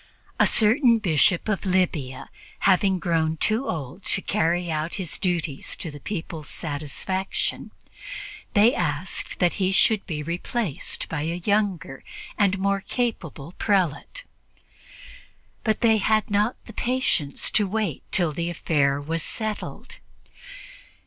A certain Bishop of Libya having grown too old to carry out his duties to the people's satisfaction, they asked that he should be replaced by a younger and more capable prelate. But they had not the patience to wait till the affair was settled.